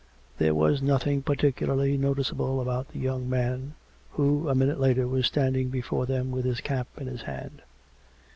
There was nothing particularly noticeable about the young man who a minute later was standing before them with his cap in his hand.